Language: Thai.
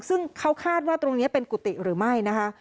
ซึ่งเขาคาดว่าตรงนี้เป็นกุฏิหรือไม่นะคะ